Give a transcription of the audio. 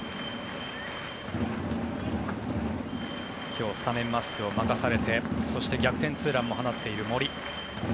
今日、スタメンマスクを任されてそして逆転ツーランも放っている森。